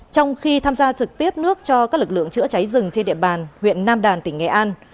trong khi tham gia trực tiếp nước cho các lực lượng chữa cháy rừng trên địa bàn huyện nam đàn tỉnh nghệ an